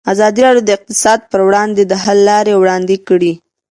ازادي راډیو د اقتصاد پر وړاندې د حل لارې وړاندې کړي.